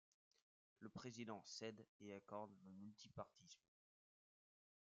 Le président cède et accorde le multipartisme.